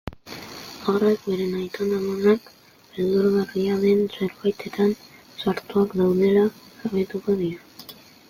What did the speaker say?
Haurrek beren aiton-amonak beldurgarria den zerbaitetan sartuak daudela jabetuko dira.